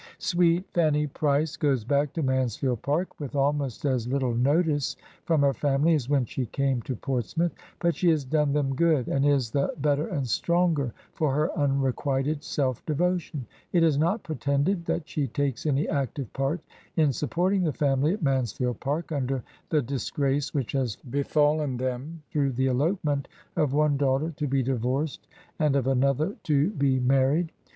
Sweet Fanny Price goes back to Mansfield Park with almost as little notice from her family as when she came to Portsmouth; but she has done them good, and is the better and stronger for her unrequited self devotion. It is not pretended that she takes any active part in sup porting the family at Mansfield Park under the dis grace which has befallen them through the elopement of one daughter to be divorced and of another to be 76 Digitized by VjOOQIC THREE OF JANE AUSTEN'S HEROINES married.